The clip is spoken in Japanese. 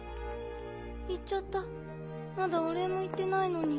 行っちゃったまだお礼も言ってないのに。